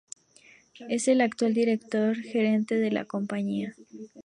Él es el actual Director Gerente de la compañía.